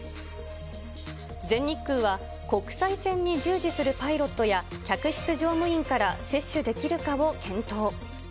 全日空は国際線に従事するパイロットや客室乗務員から接種できるかを検討。